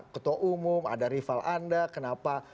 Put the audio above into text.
ketua umum ada rival anda kenapa